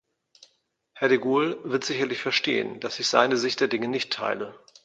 Herr de Gaulle wird sicherlich verstehen, dass ich seine Sicht der Dinge nicht teile.